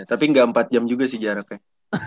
tapi enggak empat jam juga sih jaraknya